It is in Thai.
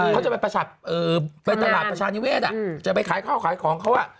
เขาจะไปตลาดประชานิเวศอ่ะจะไปขายของเขาอ่ะ